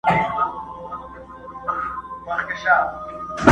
شپانه مړ سو شپېلۍ ماته اوس نغمه له کومه راوړو؛